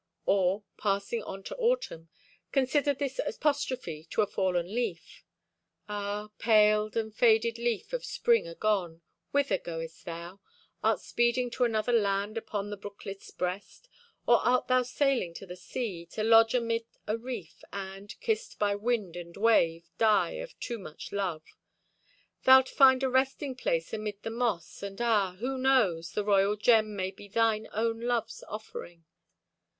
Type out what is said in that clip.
Or, passing on to autumn, consider this apostrophe to a fallen leaf: Ah, paled and faded leaf of spring agone, Whither goest thou? Art speeding To another land upon the brooklet's breast? Or art thou sailing to the sea, to lodge Amid a reef, and, kissed by wind and wave, Die of too much love? Thou'lt find a resting place amid the moss, And, ah, who knows! The royal gem May be thine own love's offering.